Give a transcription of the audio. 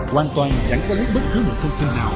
hoàn toàn chẳng có lấy bất cứ một thông tin nào